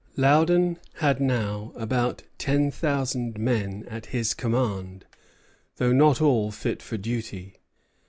Loudon had now about ten thousand men at his command, though not all fit for duty.